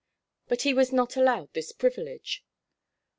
But he was not allowed this privilege.